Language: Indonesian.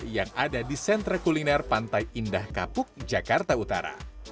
yang ada di sentra kuliner pantai indah kapuk jakarta utara